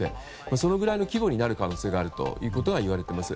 そのぐらいの規模になる可能性があるといわれています。